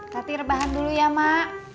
tati rebahan dulu ya mbak